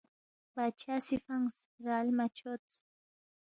بادشاہ سی فنگس، رال مہ چھودس